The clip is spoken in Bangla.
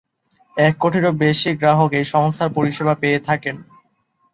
এক কোটিরও বেশি গ্রাহক এই সংস্থার পরিষেবা পেয়ে থাকেন।